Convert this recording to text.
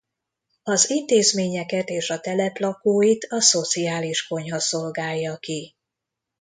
Az intézményeket és a telep lakóit a Szociális Konyha szolgálja ki.